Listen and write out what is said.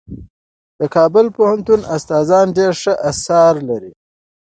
د کابل پوهنتون استادان ډېر ښه اثار لري.